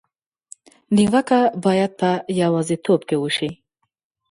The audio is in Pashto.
نیوکه باید په یوازېتوب کې وشي.